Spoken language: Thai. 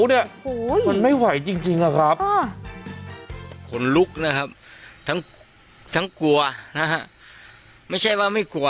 เนี่ยไม่ไหวจริงอ่ะครับคนลุกนะครับทั้งตั้งกลัวนะครับไม่ใช่ว่าไม่กลัว